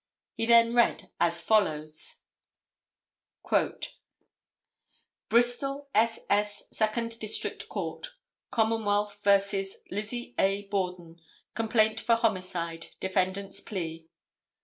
He then read as follows: "Bristol ss. Second District Court. Commonwealth vs. Lizzie A. Borden. Complaint for homicide. Defendant's plea.